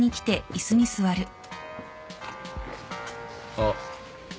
あっ。